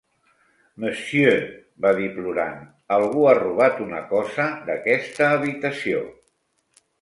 "Monsieur," va dir plorant, "algú ha robat una cosa d'aquesta habitació".